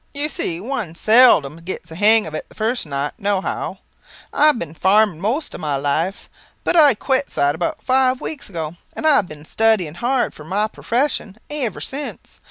You see one seldom gets the hang of it the first night, no how. I have been farming most of my life, but I quits that about five weeks ago, and have been studying hard for my profession ever since.